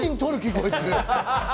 こいつ。